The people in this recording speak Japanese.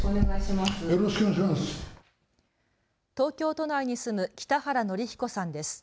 東京都内に住む北原憲彦さんです。